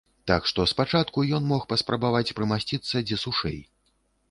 Так што спачатку ён мог паспрабаваць прымасціцца дзе сушэй.